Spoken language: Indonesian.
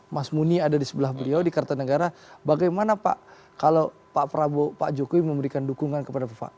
mas muni ada di sebelah beliau di kartanegara bagaimana pak kalau pak prabowo pak jokowi memberikan dukungan kepada bapak